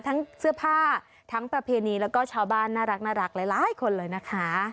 ทั้งเสื้อผ้าทั้งประเพณีแล้วก็ชาวบ้านน่ารักหลายคนเลยนะคะ